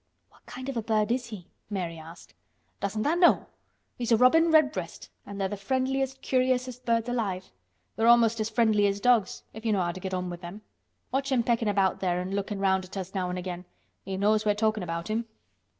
"What kind of a bird is he?" Mary asked. "Doesn't tha' know? He's a robin redbreast an' they're th' friendliest, curiousest birds alive. They're almost as friendly as dogs—if you know how to get on with 'em. Watch him peckin' about there an' lookin' round at us now an' again. He knows we're talkin' about him."